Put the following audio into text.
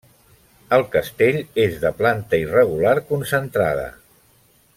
El castell és de planta irregular concentrada.